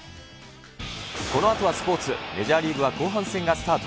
このあとはスポーツ、メジャーリーグは後半戦がスタート。